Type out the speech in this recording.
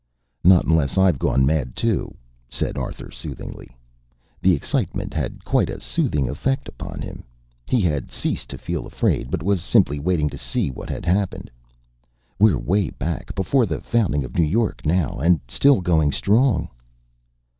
"Not unless I've gone mad, too," said Arthur soothingly. The excitement had quite a soothing effect upon him. He had ceased to feel afraid, but was simply waiting to see what had happened. "We're way back before the founding of New York now, and still going strong."